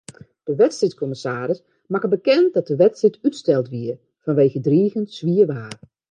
De wedstriidkommissaris makke bekend dat de wedstriid útsteld wie fanwege driigjend swier waar.